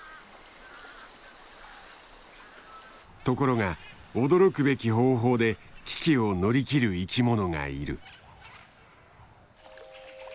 ところが驚くべき方法で危機を乗り切る生きものがいる。